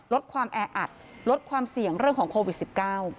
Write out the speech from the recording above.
ลดความแออัดลดความเสี่ยงเรื่องของโควิดสิบเก้า